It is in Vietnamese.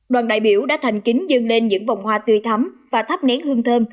đoàn đại biểu đã thành kính dương lên những vòng hoa tươi thắm và thắp nén hương thơm